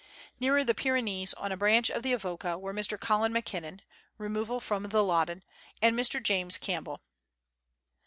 Nearer the Pyrenees, on a branch of the Avoca, were Mr. Colin Mackinnon (removal from the Loddon) and Mr. James Campbell.